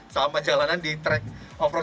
selama jalanan di track off road